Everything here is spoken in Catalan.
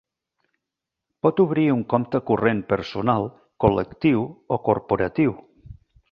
Pot obrir un compte corrent personal, col·lectiu, o corporatiu.